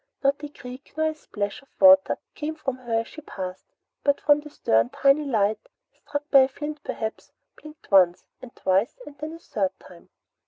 Not a creak nor a splash of water came from her as she passed, but from the stern a tiny light, struck by a flint perhaps, blinked once, and twice, and then a third time.